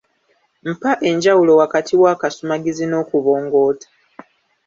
Mpa enjawulo wakati w'akasumagizi n'okubongoota?